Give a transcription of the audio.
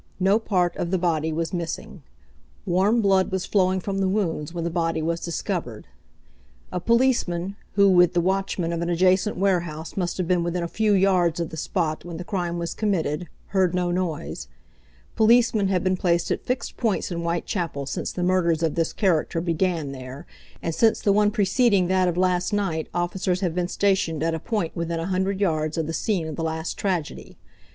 No part of the body was missing. Warm blood was flowing from the wounds when the body was discovered. A policeman, who with the watchman of an adjacent warehouse must have been within a few yards of the spot when the crime was committed, heard no noise. Policemen have been placed at fixed points in Whitechapel since the murders of this character began there, and since the one preceding that of last night officers have been stationed at a point within a hundred yards of the scene of the last tragedy.